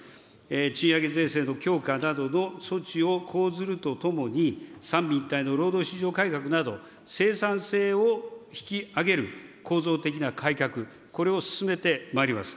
賃上げ税制の強化などの措置を講ずるとともに、三位一体の労働市場改革など、生産性を引き上げる構造的な改革、これを進めてまいります。